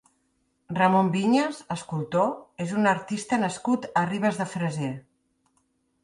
Ramon Vinyes (escultor) és un artista nascut a Ribes de Freser.